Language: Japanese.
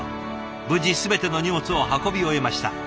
無事全ての荷物を運び終えました。